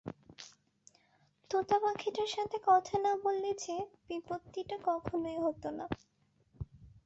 তোতাপাখিটার সাথে কথা না বললে যে বিপত্তিটা কখনোই হতো না।